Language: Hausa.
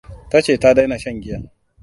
Ta ce ta daina shan giya.